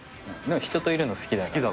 人といるの好きだから。